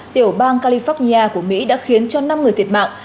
tiểu bang california của mỹ đã khiến cho năm người thiệt mạng